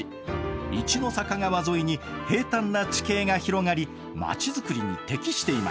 一の坂川沿いに平たんな地形が広がり町作りに適していました。